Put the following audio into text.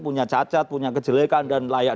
punya cacat punya kejelekan dan layak